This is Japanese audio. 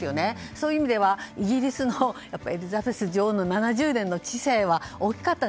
そういう意味ではイギリスのエリザベス女王の７０年の治世は大きかった。